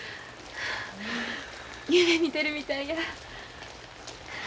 夢見てるみたいや。